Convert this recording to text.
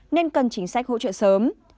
nên cần chính sách hỗ trợ sớm